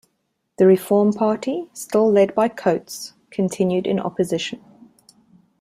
The Reform Party, still led by Coates, continued in opposition.